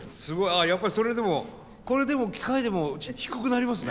やっぱりそれでもこれでも機械でも低くなりますね